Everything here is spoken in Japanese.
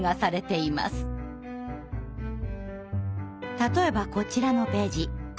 例えばこちらのページ。